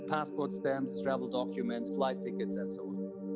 pasport dokumen perjalanan tiket pesawat dan sebagainya